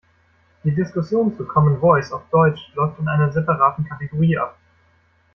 Die Diskussion zu Common Voice auf Deutsch läuft in einer separaten Kategorie ab.